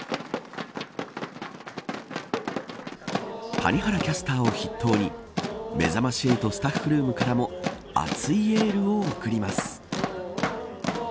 谷原キャスターを筆頭にめざまし８スタッフルームからも熱いエールを送ります。